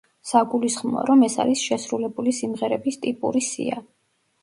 საგულისხმოა, რომ ეს არის შესრულებული სიმღერების ტიპური სია.